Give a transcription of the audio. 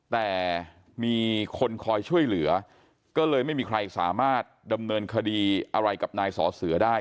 แต่มีคนคอยช่วยเหลือก็เลยไม่มีใครสามารถดำเนินคดีอะไรกับนายสอเสือได้